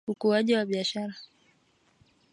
Ukuaji wa biashara.